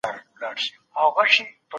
دا سپک شی دئ.